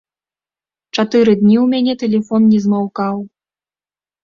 Чатыры дні ў мяне тэлефон не змаўкаў.